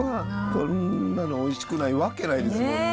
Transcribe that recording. こんなのおいしくないわけないですもんね。